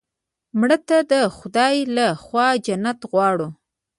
مړه ته د خدای له خوا جنت غواړو